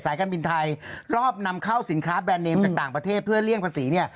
การบินไทยรอบนำเข้าสินค้าแบรนดเนมจากต่างประเทศเพื่อเลี่ยงภาษีเนี่ย